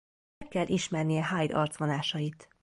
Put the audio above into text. Meg kell ismernie Hyde arcvonásait.